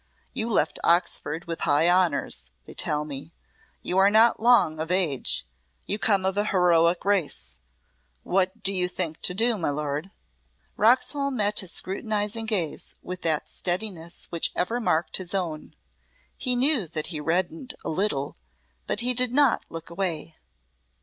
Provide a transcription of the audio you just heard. You left Oxford with high honours, they tell me; you are not long of age, you come of a heroic race what do you think to do, my lord?" Roxholm met his scrutinizing gaze with that steadiness which ever marked his own. He knew that he reddened a little, but he did not look away.